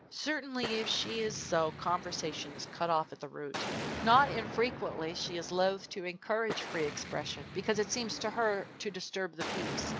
Certainly if she is so, conversation is cut off at the root. Not infrequently she is loath to encourage free expression because it seems to her to disturb the peace.